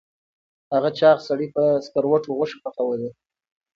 هغه چاغ سړي په سکروټو غوښې پخولې.